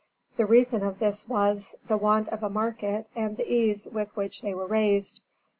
The reason of this was, the want of a market and the ease with which they were raised.